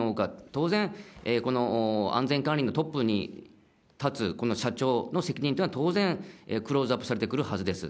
当然、この安全管理のトップに立つこの社長の責任というのは、当然、クローズアップされてくるはずです。